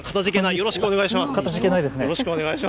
よろしくお願いします。